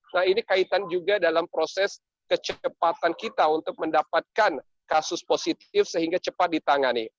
nah ini kaitan juga dalam proses kecepatan kita untuk mendapatkan kasus positif sehingga cepat ditangani